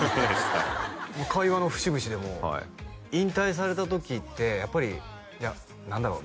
はい会話の節々でも引退された時ってやっぱり何だろう？